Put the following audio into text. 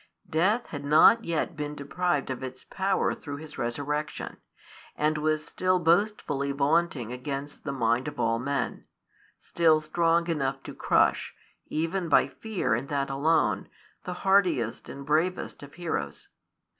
Death had not yet been deprived of its power through His resurrection, and was still boastfully vaunting against the mind of all men, still strong enough to crush, even by fear and that alone, the hardiest and bravest of heroes.